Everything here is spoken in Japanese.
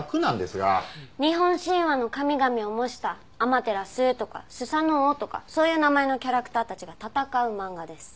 日本神話の神々を模したアマテラスとかスサノオとかそういう名前のキャラクターたちが戦う漫画です。